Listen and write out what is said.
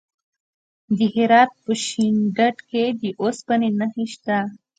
د هرات په شینډنډ کې د اوسپنې نښې شته.